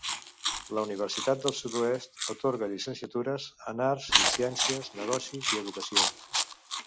La Universitat del Sud-oest atorga llicenciatures en arts i ciències, negocis i educació